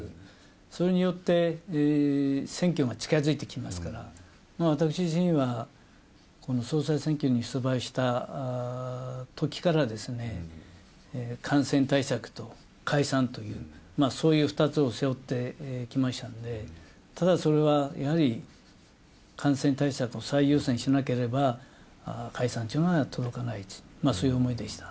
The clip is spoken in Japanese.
それによって、選挙が近づいてきますから、私自身はこの総裁選挙に出馬したときから、感染対策と解散という、そういう２つを背負ってきましたので、ただそれは、やはり感染対策を最優先しなければ解散というのには届かない、そういう思いでした。